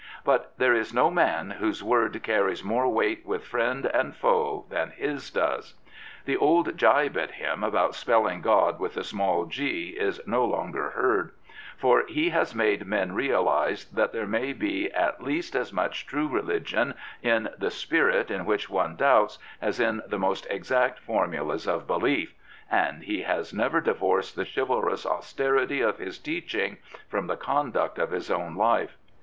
But there is no man whose word carries more weight with friend and foe than his does. The old gibe at him about spelling God with a small " g " is no longer heard, for he has made men realise that there may be at least as much true religion in the spirit in which one doubts as in the most exact formulas of belief, and he has never divorced the chivalrous austerity of his teaching from the conduct of his own life.